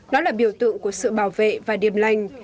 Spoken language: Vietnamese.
nó là biểu tượng của sự bảo vệ và điểm lành